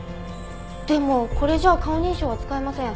でもこれじゃあ顔認証は使えません。